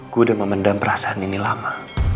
gue udah memendam perasaan ini lama